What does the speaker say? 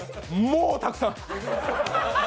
もうたくさん！